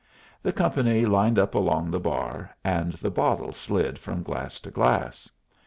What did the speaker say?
The company lined up along the bar, and the bottle slid from glass to glass.